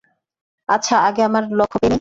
আচ্ছা, আগে আমার লক্ষ্য পেয়ে নিই।